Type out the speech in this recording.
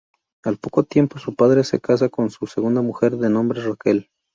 Al poco tiempo su padre se casa con su segunda mujer de nombre Raquel.